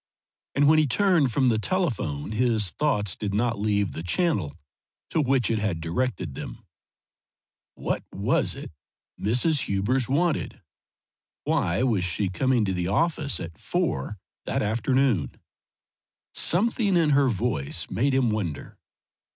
And when he turned from the telephone his thoughts did not leave the channel to which it had directed them. What was it Mrs. Hubers wanted? Why was she coming to the office at four that afternoon? Something in her voice made him wonder.